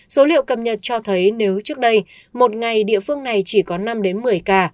số liệu cập nhật cho thấy nếu trước đây một ngày địa phương này chỉ có năm đến một mươi ca